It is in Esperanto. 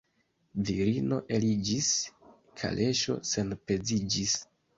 Virino eliĝis, kaleŝo senpeziĝis.